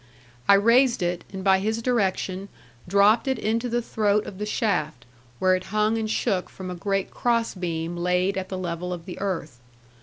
I raised it, and by his direction dropped it into the throat of the shaft, where it hung and shook from a great cross beam laid at the level of the earth.